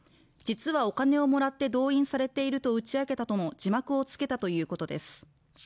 実はお金をもらって動員されていると打ち明けたとの字幕をつけたということです